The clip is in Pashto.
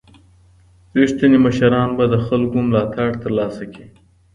رښتیني مشران به د خلګو ملاتړ ترلاسه کړي.